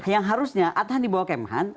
yang harusnya atahan di bawah kemhan